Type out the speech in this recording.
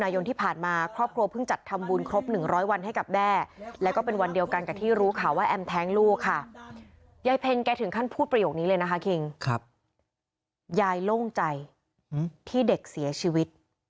ยายโล่งใจที่เด็กเสียชีวิต